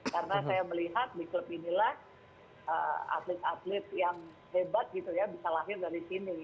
karena saya melihat di klub inilah atlet atlet yang hebat gitu ya bisa lahir dari sini